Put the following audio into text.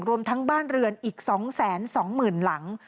รวมทั้งบ้านเรือนอีก๒๒๐๐๐หลัง